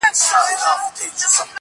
ته دي ټپه په اله زار پيل کړه.